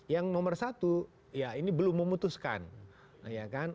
yang nomor satu ya ini belum memutuskan